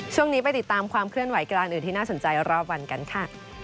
ช่วงนี้ไปติดตามความเคลื่อนไหวกลางอื่นที่น่าสนใจรอบวันกันค่ะ